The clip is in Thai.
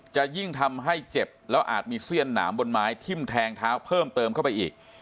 จะยิ่งทำให้เจ็บแล้วอาจมีเสี้ยนหนามบนไม้ทิ้มแทงเท้าเพิ่มเติมเข้าไปอีก